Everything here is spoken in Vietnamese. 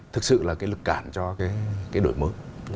thực sự là cái lực cản cho cái đội mớ